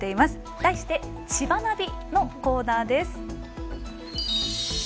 題して「ちばナビ」のコーナーです。